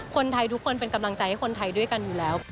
คนไทยทุกคนเป็นกำลังใจให้คนไทยด้วยกันอยู่แล้ว